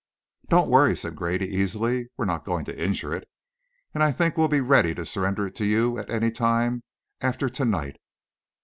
"Don't worry," said Grady, easily, "we're not going to injure it. And I think we'll be ready to surrender it to you at any time after to night.